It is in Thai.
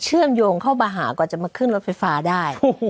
เชื่อมโยงเข้ามาหาก่อนจะมาขึ้นรถไฟฟ้าได้